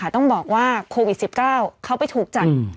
ต้องบอกว่าโควิด๑๙เขาไปถูกจัด